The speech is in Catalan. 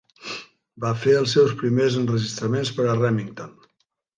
Va fer els seus primers enregistraments per a Remington.